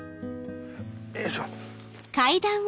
よいしょ。